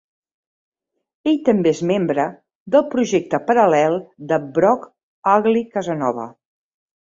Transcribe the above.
Ell també és membre del projecte paral·lel de Brock Ugly Casanova.